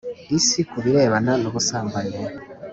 isi ku birebana n ubusambanyi